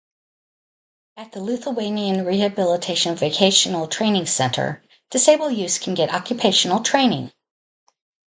At the Lithuanian Rehabilitation Vocational Training center, disabled youths can get occupational training.